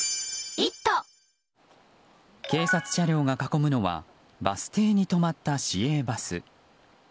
警察車両が囲むのはバス停に止まった市営バス。